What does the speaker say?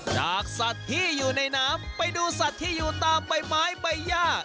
จากสัตว์ที่อยู่ในน้ำไปดูสัตว์ที่อยู่ตามใบไม้ใบย่า